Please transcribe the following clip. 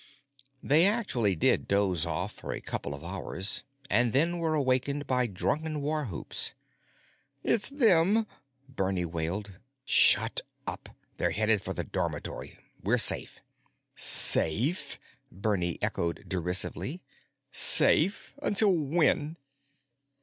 They actually did doze off for a couple of hours, and then were awakened by drunken war whoops. "It's them!" Bernie wailed. "Shut up. They're heading for the dormitory. We're safe." "Safe!" Bernie echoed derisively. "Safe until when?"